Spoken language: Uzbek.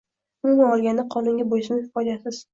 Umuman olganda, qonunga bo'ysunish "foydasiz"